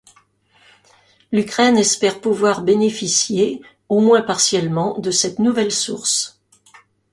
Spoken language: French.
L'Ukraine espère pouvoir bénéficier au moins partiellement de cette nouvelle source.